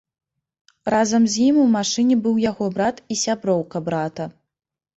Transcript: Разам з ім у машыне быў яго брат і сяброўка брата.